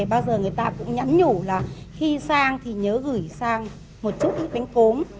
bây giờ người ta cũng nhắn nhủ là khi sang thì nhớ gửi sang một chút bánh cốm